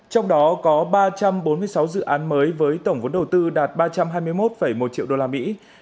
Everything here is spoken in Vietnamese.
trong đó có ba trăm bốn mươi sáu dự án mới với tổng vốn đầu tư đạt ba trăm hai mươi một một triệu usd